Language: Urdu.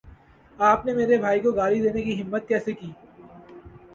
آپ نے میرے بھائی کو گالی دینے کی ہمت کیسے کی